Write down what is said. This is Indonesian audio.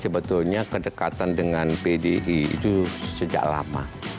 sebetulnya kedekatan dengan pdi itu sejak lama